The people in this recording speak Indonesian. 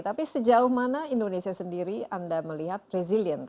tapi sejauh mana indonesia sendiri anda melihat resilient